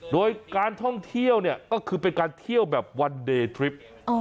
โดยการท่องเที่ยวเนี่ยก็คือเป็นการเที่ยวแบบวันเดย์ทริป